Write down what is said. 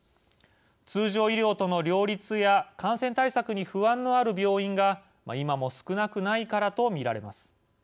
通常医療との両立や感染対策に不安のある病院が今も少なくないからと見られます。